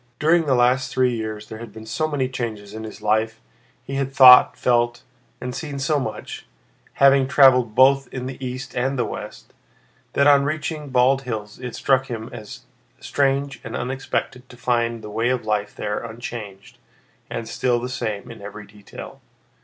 During the last three years there had been so many changes in his life, he had thought, felt, and seen so much (having traveled both in the east and the west), that on reaching Bald Hills it struck him as strange and unexpected to find the way of life there unchanged and still the same in every detail.